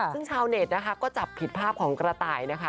ซึ่งชาวเนตก็จับผิดภาพของกระไตนะคะ